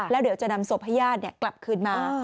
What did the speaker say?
แล้วเดี๋ยวจะนำสวพยาดกลับขึ้นมา